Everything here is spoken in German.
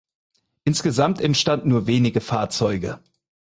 Insgesamt entstanden nur wenige Fahrzeuge.